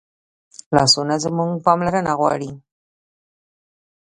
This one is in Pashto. لاسونه زموږ پاملرنه غواړي